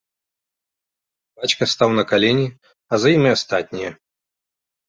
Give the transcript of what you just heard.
Бацька стаў на калені, а за ім і астатнія.